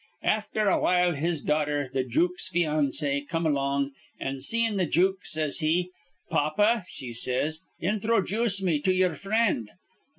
Afther awhile his daughter, the jook's financee, come along; an', seein' the jook, says she, 'Pappa,' she says, 'inthrojooce me to ye'er frind.'